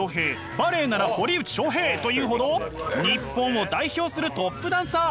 バレエなら堀内將平というほど日本を代表するトップダンサー。